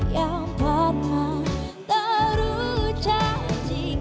yang pernah terucapkan